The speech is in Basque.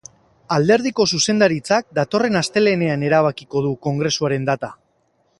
Alderdiko zuzendaritzak datorren astelehenean erabakiko du kongresuaren data.